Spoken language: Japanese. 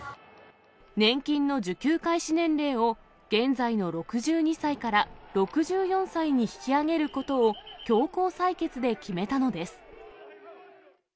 年金の受給開始年齢を、現在の６２歳から６４歳に引き上げることを強行採決で決めたのです。